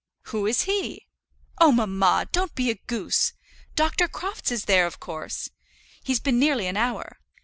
"Who is he?" "Oh, mamma, don't be a goose! Dr. Crofts is there, of course. He's been nearly an hour.